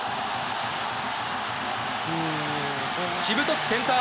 しぶとくセンター